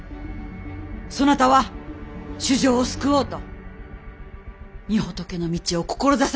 そなたは衆生を救おうと御仏の道を志されたはず！